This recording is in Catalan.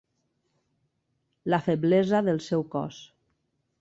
La feblesa del seu cos.